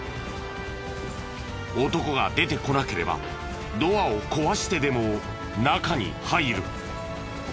男が出てこなければドアを壊してでも中に入る。